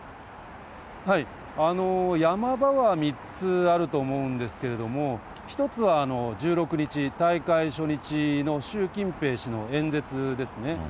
ヤマ場は３つあると思うんですけれども、１つは１６日、大会初日の習近平氏の演説ですね。